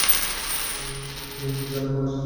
নিন্জারা আবার এসেছে!